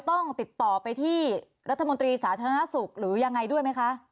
ต้องติดต่อไปที่รัฐมนตรีสาธารณสุขหรือยังไงด้วยไหมคะ